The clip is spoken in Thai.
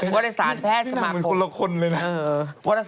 วรสารแพทย์สมาคม